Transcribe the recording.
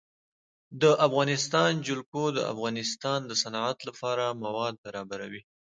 د افغانستان جلکو د افغانستان د صنعت لپاره مواد برابروي.